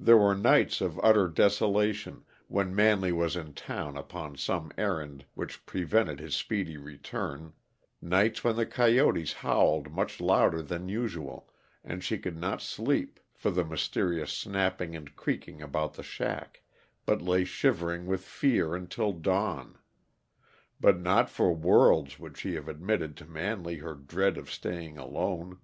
There were nights of utter desolation, when Manley was in town upon some errand which prevented his speedy return nights when the coyotes howled much louder than usual, and she could not sleep for the mysterious snapping and creaking about the shack, but lay shivering with fear until dawn; but not for worlds would she have admitted to Manley her dread of staying alone.